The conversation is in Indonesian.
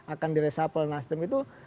akan di resapel nasdem itu